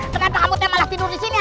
kenapa kamu malah tidur disini